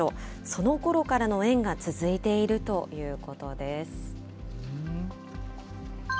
そのころからの縁が続いているということです。